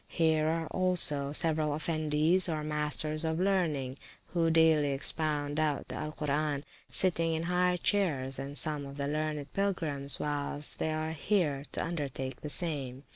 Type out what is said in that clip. Here are also several Effendies, or masters of learning, who daily expound out of the Alcoran, sitting in high chairs, and some of the learned Pilgrims, whilst they are here, do undertake the same.